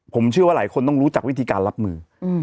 ผมเชื่อว่าหลายคนต้องรู้จักวิธีการรับมือ